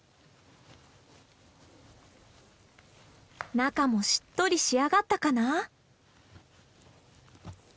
中もしっとり仕上がったかな？